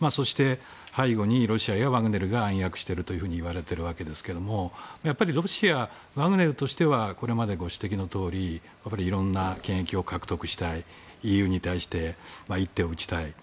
背後にロシアやワグネルが暗躍しているといわれているわけですけどもやっぱりロシアワグネルとしてはこれまでご指摘のとおりいろんな権益を獲得したいＥＵに対して一手を打ちたい。